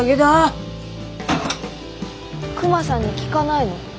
クマさんに聞かないの？